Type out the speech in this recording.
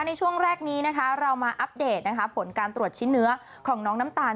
ในช่วงแรกนี้นะคะเรามาอัปเดตผลการตรวจชิ้นเนื้อของน้องน้ำตาล